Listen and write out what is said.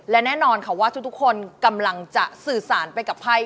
และแน่นอนค่ะว่าทุกคนกำลังจะสื่อสารไปกับไพ่